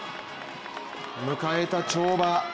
迎えた跳馬。